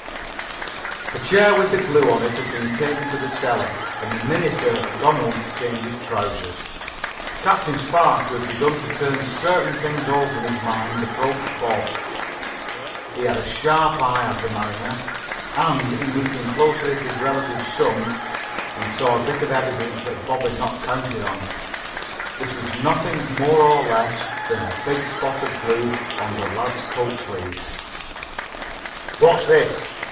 The chair, with the glue on it, had been taken to the cellar, and the minister had gone home to change his trousers. Captain Spark, who had begun to turn certain things over in his mind, approached Bob. He had a sharp eye, had the mariner, and, in looking closely at his relative's son, he saw a bit of evidence that Bob had not counted on. This was nothing more nor less than a big spot of glue on the lad's coat sleeve. "What's this?"